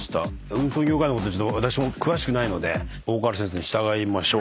運送業界のことちょっと私も詳しくないので大河原先生に従いましょう。